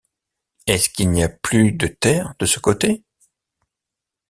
Est-ce qu’il n’y a plus de terre de ce côté?...